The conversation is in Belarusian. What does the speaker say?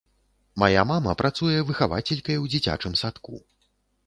Мая мама працуе выхавацелькай у дзіцячым садку.